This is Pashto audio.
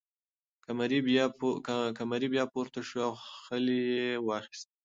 قمري بیا پورته شوه او خلی یې واخیست.